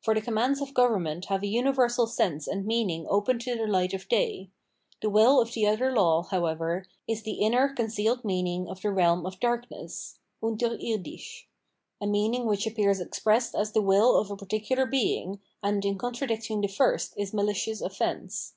For the commands of government have a universal sense and meaning open to the light of day; the will of the other law, however, is the inner concealed meaning of the realm of darkness (unterirdisck), a meaning which appears expressed as the will of a particular being, and in ■ contradicting the first is malicious offence.